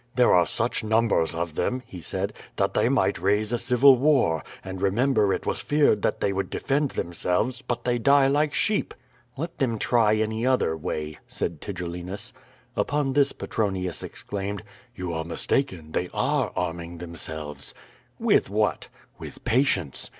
"There are such numbers of them," he said, "that they might raise a civil war, and remember it was feared that they would defend themselves; l)ut they die like sheep." "Let tliem try any other way," said Tigellinus. Upon this Petroniiis exclaimed: "You are mistaken, they are arming tliemselves." "With what?" "With patience."